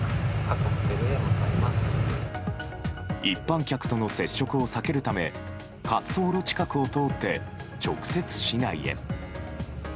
一般客との接触を避けるため滑走路近くを通って直接、市内へ。